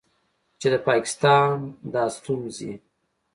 چې د پاکستان دا ستونځې